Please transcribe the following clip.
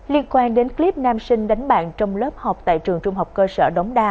liên quan đến clip nam sinh đánh bạn trong lớp học tại trường trung học cơ sở đống đa